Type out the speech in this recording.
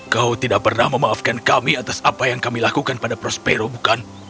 kau tidak pernah memaafkan kami atas apa yang kami lakukan pada prospero bukan